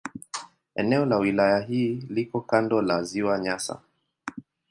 Eneo la wilaya hii liko kando la Ziwa Nyasa.